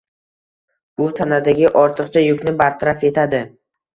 Bu, tanadagi ortiqcha yukni bartaraf etadi